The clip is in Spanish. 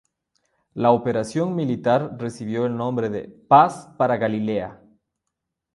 La operación militar recibió el nombre de 'Paz para Galilea'.